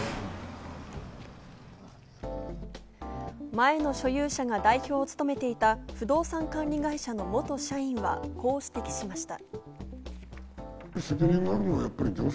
前の所有者が代表を務めていた不動産管理会社の元社員は、こう指摘しました。